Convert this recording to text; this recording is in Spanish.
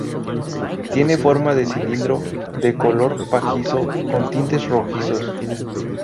Tiene forma de cilindro, de color pajizo con tintes rojizos.